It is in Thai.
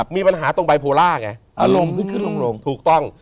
มีปัญหาตรงบายโพล่าไงอารมณ์ขึ้นขึ้นลงถูกต้อง